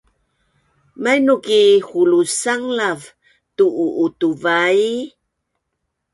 mainuk i hulus sanglav tun’u’utuvai